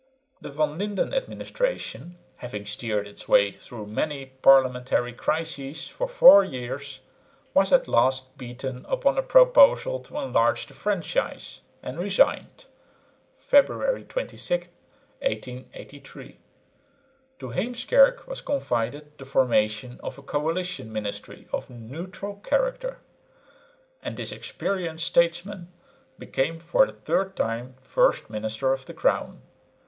The Van Lynden administration, having steered its way through many parliamentary crises for four years, was at last beaten upon a proposal to enlarge the franchise, and resigned (February 26, 1883). To Heemskerk was confided the formation of a coalition ministry of a neutral character; and this experienced statesman became for the third time first minister of the crown.